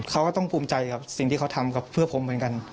เขาก็ต้องภูมิใจครับสิ่งที่เขาทำกับเพื่อผมเหมือนกัน